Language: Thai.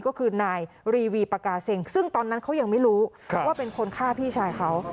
ก็คือนายรีวีปากาเซ็งซึ่งตอนนั้นเขายังไม่รู้ว่าเป็นคนฆ่าพี่ชายเขา